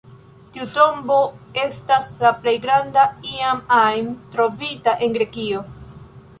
Tiu tombo estas la plej granda iam ajn trovita en Grekio.